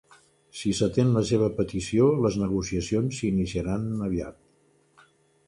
Si s'atén la seva petició, les negociacions s'iniciaran aviat.